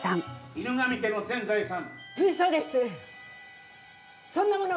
犬神家の全財産。